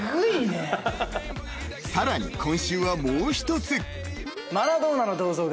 ［さらに今週はもう一つ］